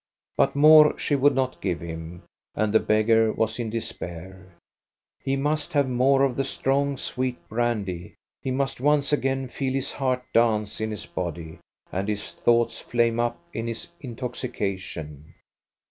But more she would not give him, and the beggar was in despair. He must have more of the strong, sweet brandy. He must once again feel his heart dance in his body and his thoughts flame up in in toxication.